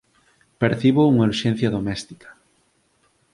Percibo unha urxencia doméstica.